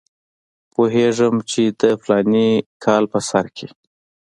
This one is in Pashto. پوهېږم چې د فلاني کال په سر کې.